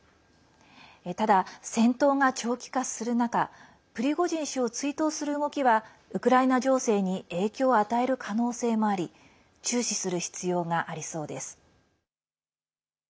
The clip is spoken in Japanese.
ただ、戦闘が長期化する中プリゴジン氏を追悼する動きはウクライナ情勢に影響を与える可能性もあり注視する必要がありそうです。